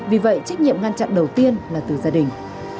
vì vậy trách nhiệm ngăn chặn đầu tiên là từ gia đình